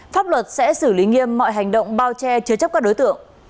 pháp luật sẽ xử lý nghiêm mọi hành động bao che chứa chấp các đối tượng